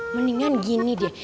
mendingan gini deh